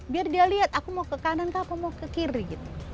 biar dia lihat aku mau ke kanan kah aku mau ke kiri gitu